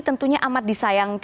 tentunya amat disayangkan oleh publik